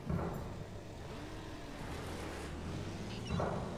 তাহলে যান, স্যার।